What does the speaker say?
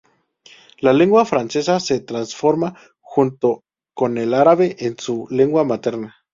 La lengua francesa se transforma, junto con el árabe, en su lengua materna.